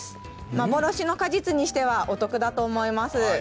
幻の果実にしてはお得だと思います。